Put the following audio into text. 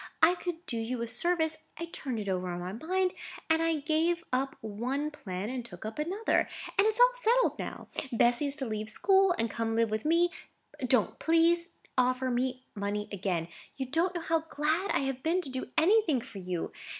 I could do you a service, I turned it over in my mind, and I gave up one plan and took up another, and it's all settled now. Bessy is to leave school and come and live with me. Don't, please, offer me money again. You don't know how glad I have been to do anything for you.